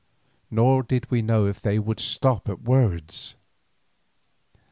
Nor did we know if they would stop at words.